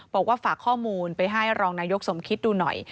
บอกว่าฝากข้อมูลไปให้รองนายกสมคิดดูหน่อย